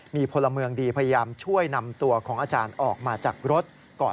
มีพลเมืองดีพยายามช่วยนำตัวของอาจารย์ออกมาจากรถก่อน